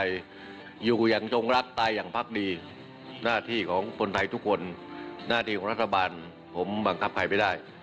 ทุกคนหน้าดีของรัฐบาลผมบังคับใครไม่ได้